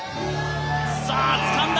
さあつかんだ！